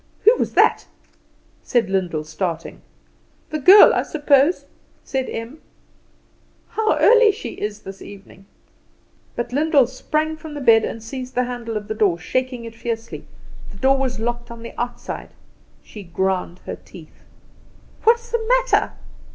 "Who was that?" said Lyndall, starting. "The girl, I suppose," said Em. "How early she is this evening!" But Lyndall sprang from the bed and seized the handle of the door, shaking it fiercely. The door was locked on the outside. She ground her teeth. "What is the matter?"